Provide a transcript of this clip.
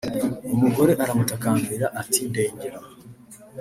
umugore aramutakambira ati “Ndengera